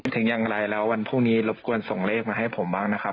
ถึงอย่างไรแล้ววันพรุ่งนี้รบกวนส่งเลขมาให้ผมบ้างนะครับ